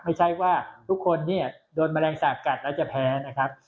ไม่ใช่ว่าทุกคนเนี่ยโดนแมลงสาปกัดแล้วจะแพ้นะครับ